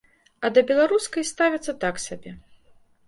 А да беларускай ставяцца так сабе.